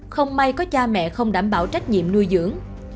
không may có cha mẹ không đảm bảo trách nhiệm nuôi dưỡng